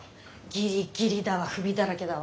ギリギリだわ不備だらけだわ。